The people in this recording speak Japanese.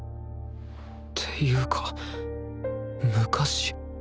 っていうか昔？